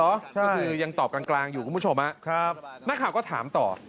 ก็คือยังตอบกลางอยู่คุณผู้ชมนักข่าวก็ถามต่อ